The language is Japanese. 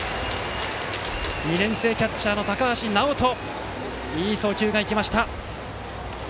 ２年生キャッチャーの高橋直叶いい送球が行きました。